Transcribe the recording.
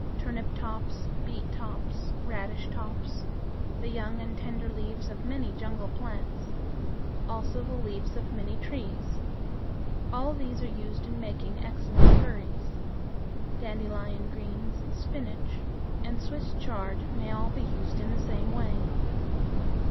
Turnip tops, beet tops, radish tops, the young and tender leaves of many jungle plants, also the leaves of many trees; all these are used in making excellent curries. Dandelion greens, spinach, Swiss chard, may all be used in the same way.